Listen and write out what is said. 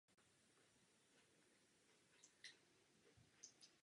Oblast je povodím Severního ledového oceánu.